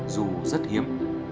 dù rất hiếm